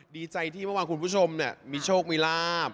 ดีใจที่เมื่อวานคุณผู้ชมมีโชคมีลาบ